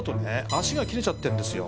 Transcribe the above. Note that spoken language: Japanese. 足が切れちゃってんですよ。